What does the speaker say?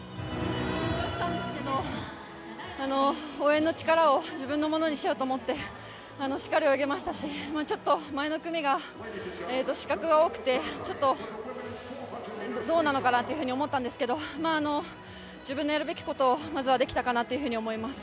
緊張したんですが応援の力を自分のものにしようと思ってしっかり泳げましたしちょっと前の組が失格が多くてどうなのかなと思ったんですけど自分のやるべきことをまずはできたかなと思います。